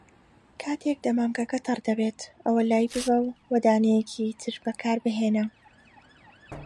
کاتێک دەمامکەکە تەڕ دەبێت، ئەوە لایببە و دانەیەکی تر بەکاربهێنە.